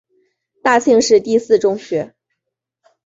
大庆市第四中学。